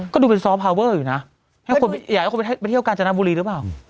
ก็ดูเป็นซอฟพาเวอร์อยู่นะให้คนอยากให้คนไปเที่ยวกาญจนบุรีหรือเปล่า